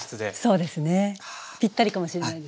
ぴったりかもしれないです。